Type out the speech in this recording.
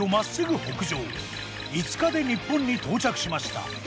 ５日で日本に到着しました。